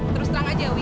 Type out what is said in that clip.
terus terang aja wi